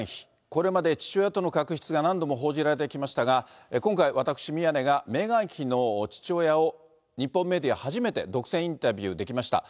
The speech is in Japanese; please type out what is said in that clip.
これまで父親との確執が何度も報じられてきましたが、今回、私、宮根が、メーガン妃の父親を日本メディア初めて独占インタビューできました。